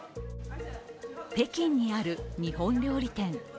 北京にある日本料理店。